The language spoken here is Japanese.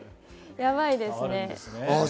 やばいです。